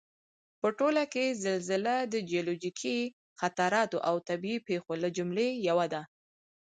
په ټوله کې زلزله د جیولوجیکي خطراتو او طبعي پېښو له جملې یوه ده